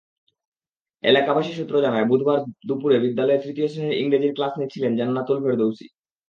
এলাকাবাসী সূত্র জানায়, বুধবার দুপুরে বিদ্যালয়ে তৃতীয় শ্রেণির ইংরেজির ক্লাস নিচ্ছিলেন জান্নাতুল ফেরদৌসী।